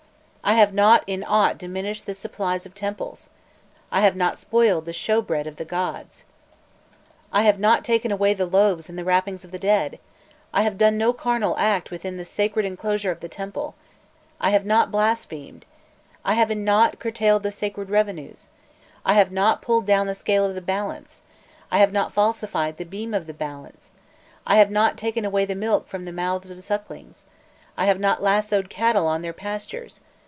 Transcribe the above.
I have not in aught diminished the supplies of temples! I have not spoiled the shrewbread of the gods! I have not taken away the loaves and the wrappings of the dead! I have done no carnal act within the sacred enclosure of the temple! I have not blasphemed! I have in nought curtailed the sacred revenues! I have not pulled down the scale of the balance! I have not falsified the beam of the balance! I have not taken away the milk from the mouths of sucklings! I have not lassoed cattle on their pastures!